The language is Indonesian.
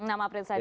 enam april saja ya